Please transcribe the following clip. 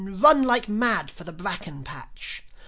. run like mad for the bracken patch.